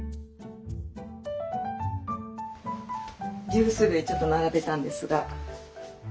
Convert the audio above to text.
ジュース類ちょっと並べたんですが。